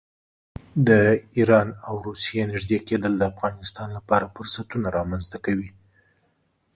د ایران او روسیې نږدې کېدل د افغانستان لپاره فرصتونه رامنځته کوي.